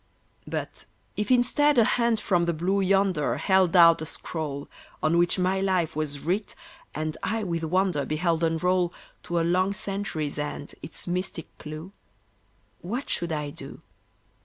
But, if instead a hand from the blue yonder Held out a scroll, On which my life was, writ, and I with wonder Beheld unroll To a long century's end its mystic clew, What should I do?